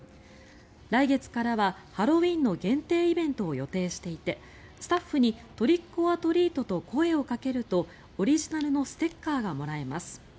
来月からはハロウィーンの限定イベントを予定していてスタッフにトリック・オア・トリートと声をかけるとオリジナルのステッカーがもらえます。